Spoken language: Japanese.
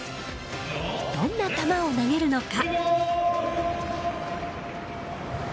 どんな球を投げるのか？